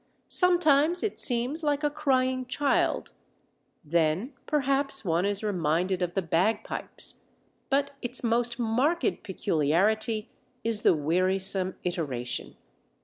Sometimes it seems like a crying child, then, perhaps, one is reminded of the bagpipes, but its most marked peculiarity is the wearisome iteration.